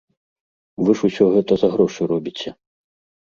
Вы ж усё гэта за грошы робіце.